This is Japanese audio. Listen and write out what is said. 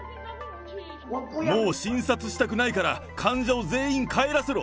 もう診察したくないから、患者を全員帰らせろ。